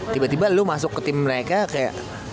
tiba tiba lu masuk ke tim mereka kayak